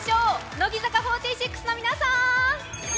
乃木坂４６のみなさーん。